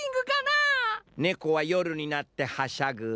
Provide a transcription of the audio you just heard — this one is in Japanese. ねこはよるになってはしゃぐ。